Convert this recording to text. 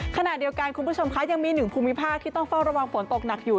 ขณะเดียวกันคุณผู้ชมคะยังมีหนึ่งภูมิภาคที่ต้องเฝ้าระวังฝนตกหนักอยู่